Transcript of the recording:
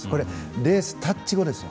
レースタッチ後です。